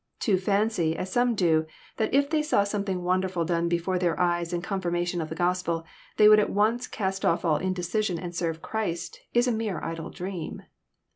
To fancy, as some do, that if they saw something wonderful done before their eyes in confirmation of the Gospel, they would at once cast off all indecision and serve Christ, is a mere idle dream.